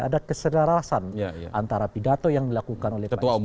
ada kesedarasan antara pidato yang dilakukan oleh pak prabowo